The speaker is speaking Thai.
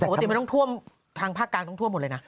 ปกติมันต้องท่วมทางภาคกลางต้องท่วมหมดเลยนะ